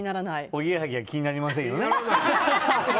おぎやはぎは気になりませんよね。